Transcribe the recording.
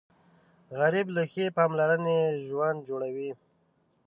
غریب له ښې پاملرنې ژوند جوړوي